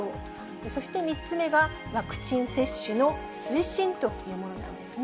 そして３つ目がワクチン接種の推進というものなんですね。